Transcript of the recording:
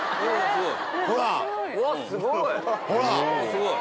うわっすごい！